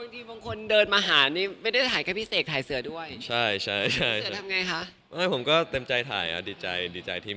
ตอนคนเดินมาผ่านไม่ได้เห็นพี่เสกถ่ายเสือด้วย